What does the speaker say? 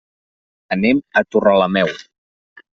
Anem a Torrelameu.